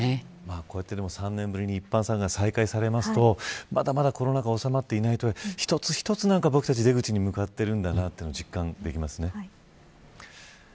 こうやって３年ぶりに一般参賀が再開されますとコロナ禍が収まっていないとはいえ一つ一つ僕たちは出口に向かっているんだなと実感できますね。